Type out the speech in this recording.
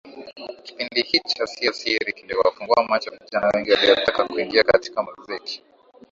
Kipindi hicho sio siri kiliwafungua macho vijana wengi waliotaka kuingia katika muziki